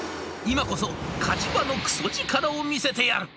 今こそ火事場のクソ力を見せてやる」。